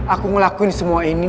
aku ngelakuin semua ini